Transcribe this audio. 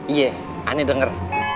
iya aneh denger